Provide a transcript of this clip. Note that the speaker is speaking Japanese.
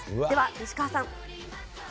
では、西川さん。